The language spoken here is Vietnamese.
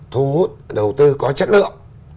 thu hút đầu tư có chất lượng